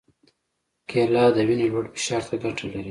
کېله د وینې لوړ فشار ته ګټه لري.